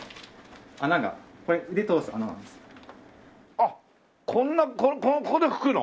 あっここで吹くの？